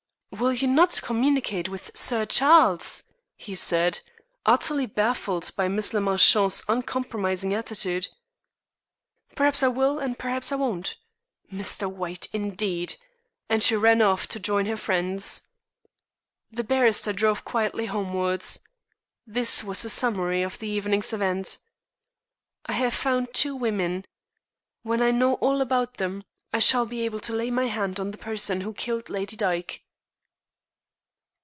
"Will you not communicate with Sir Charles?" he said, utterly baffled by Miss le Marchant's uncompromising attitude. "Perhaps I will and perhaps I won't. Mr. White, indeed!" And she ran off to join her friends. The barrister drove quietly homewards. This was his summary of the evening's events: "I have found two women. When I know all about them I shall be able to lay my hand on the person who killed Lady Dyke."